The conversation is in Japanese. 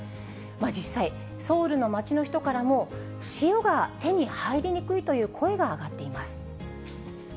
実際、ソウルの街の人からも、塩が手に入りにくいという声が上がっています。